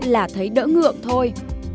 là thấy đỡ ngượng thôi